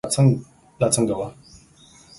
دا څنګه وه